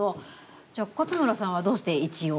じゃあ勝村さんはどうして１を？